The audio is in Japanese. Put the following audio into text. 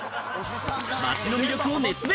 街の魅力を熱弁。